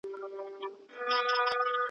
په دامونو کي یې کښېوتل سېلونه ,